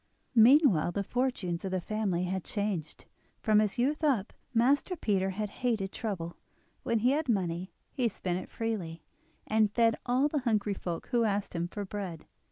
Meanwhile the fortunes of the family had changed. From his youth up, Master Peter had hated trouble; when he had money he spent it freely, and fed all the hungry folk who asked him for bread.